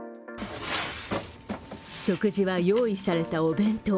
食事は、用意されたお弁当。